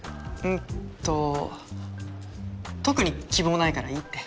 んっと特に希望はないからいいって。